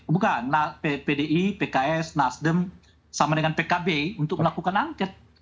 bukan pdi pks nasdem sama dengan pkb untuk melakukan angket